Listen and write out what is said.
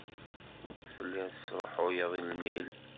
Telliḍ tesṛuḥuyeḍ lmil.